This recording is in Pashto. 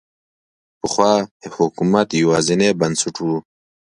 پخوا حکومت یوازینی بنسټ و.